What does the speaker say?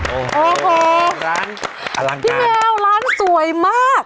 โอ้โฮพี่แมวร้านสวยมาก